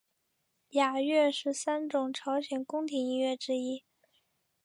雅乐是三种朝鲜宫廷音乐之一。